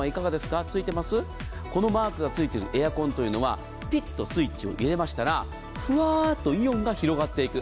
このマークがついているエアコンはピッとスイッチを入れましたらふわっとイオンが広がっていく。